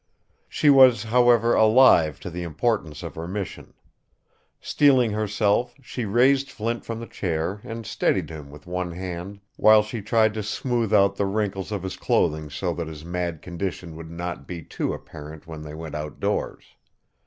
She was, however, alive to the importance of her mission. Steeling herself, she raised Flint from the chair and steadied him with one hand while she tried to smooth out the wrinkles of his clothing so that his mad condition would not be too apparent when they went outdoors.